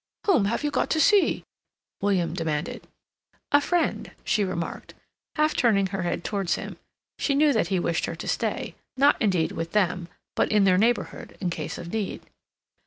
"Whom have you got to see?" William demanded. "A friend," she remarked, half turning her head towards him. She knew that he wished her to stay, not, indeed, with them, but in their neighborhood, in case of need.